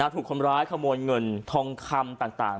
ถูกคนร้ายขโมยเงินทองคำต่าง